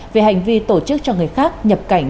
về hành vi tổ chức cho người khác nhập cảnh